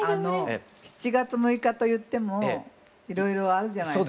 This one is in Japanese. ７月６日といってもいろいろあるじゃないですか。